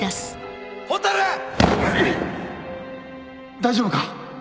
大丈夫か？